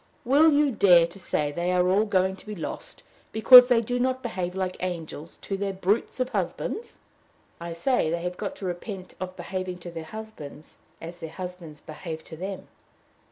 Will you dare to say they are all going to be lost because they do not behave like angels to their brutes of husbands?" "I say, they have got to repent of behaving to their husbands as their husbands behave to them."